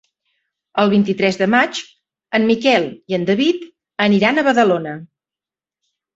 El vint-i-tres de maig en Miquel i en David aniran a Badalona.